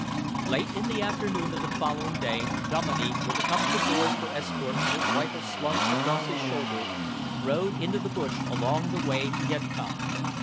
Late in the afternoon of the following day, Dominey, with a couple of boys for escort and his rifle slung across his shoulder, rode into the bush along the way he had come.